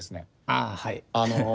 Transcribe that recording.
ああはい。